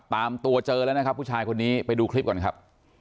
ตามตัวเจอแล้วนะครับผู้ชายคนนี้ไปดูคลิปก่อนครับ